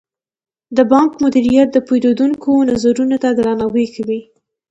د بانک مدیریت د پیرودونکو نظرونو ته درناوی کوي.